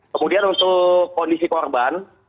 kemudian untuk kondisi korban